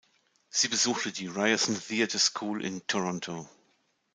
Sie besuchte die "Ryerson Theatre School" in Toronto.